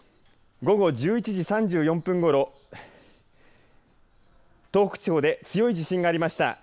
午後１１時３４分ごろ東北地方で強い地震がありました。